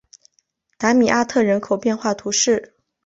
达米阿特人口变化图示